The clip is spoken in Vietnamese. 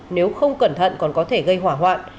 nếu không cẩn thận còn có thể gây hỏa hoạn